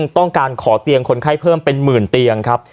ต้องการขอเตียงคนไข้เพิ่มเป็นหมื่นเตียงครับ